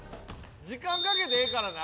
時間かけてええからな。